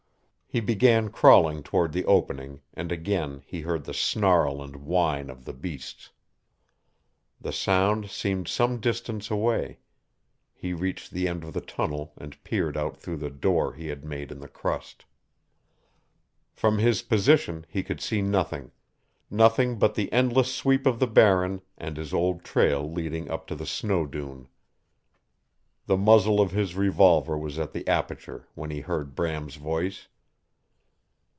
He began crawling toward the opening, and again he heard the snarl and whine of the beasts. The sound seemed some distance away. He reached the end of the tunnel and peered out through the "door" he had made in the crust. From his position he could see nothing nothing but the endless sweep of the Barren and his old trail leading up to the snow dune. The muzzle of his revolver was at the aperture when he heard Bram's voice.